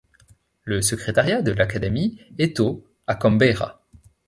Le Secrétariat de l'Académie est au ' à Canberra.